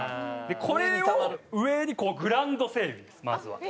これを上にグラウンド整備ですまずは。